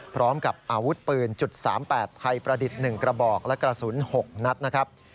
พร้อมกับอาวุธปืน๓๘ไทยประดิษฐ์๑กระบอกและกระสุน๖นัดนะครับ